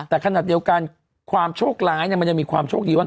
แต่ขนาดเดียวกันความโชคร้ายมันยังมีความโชคดีว่า